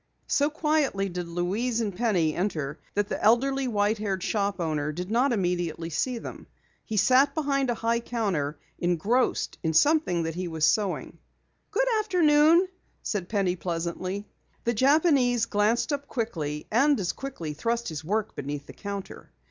So quietly did Louise and Penny enter that the elderly, white haired shop owner did not immediately see them. He sat behind a high counter, engrossed in something he was sewing. "Good afternoon," said Penny pleasantly. The Japanese glanced up quickly and as quickly thrust his work beneath the counter.